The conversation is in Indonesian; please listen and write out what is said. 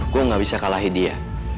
gue gak bisa kalahin dia